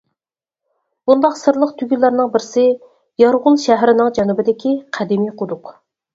بۇنداق سىرلىق تۈگۈنلەرنىڭ بىرسى يارغول شەھىرىنىڭ جەنۇبىدىكى قەدىمىي قۇدۇق.